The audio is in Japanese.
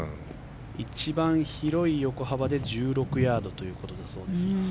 一番広い横幅で１６ヤードだということだそうです。